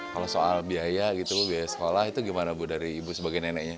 kalau soal biaya gitu bu biaya sekolah itu gimana bu dari ibu sebagai neneknya